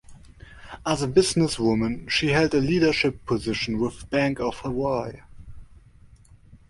As a businesswoman, she held a leadership position with Bank of Hawaii.